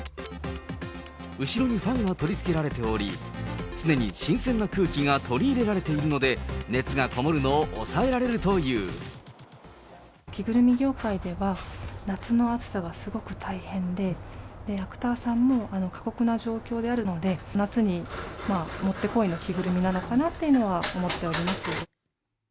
後ろにファンが取り付けられており、常に新鮮な空気が取り入れられているので、着ぐるみ業界では、夏の暑さがすごく大変で、アクターさんも過酷な状況であるので、夏にもってこいの着ぐるみなのかなっていうのは思っております。